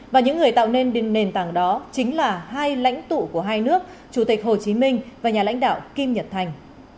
và những người tạo nên nền tảng đó chính là hai lãnh tụ của hai nước chủ tịch hồ chí minh và nhà lãnh đạo kim nhật thành